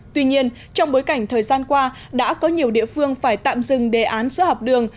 tuy nhiên trong bối cảnh thời gian qua đã có nhiều địa phương phải tạm dừng đề án sữa học đường